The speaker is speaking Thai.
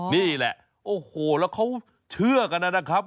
นี่แหละโอ้โหแล้วเขาเชื่อกันนะครับ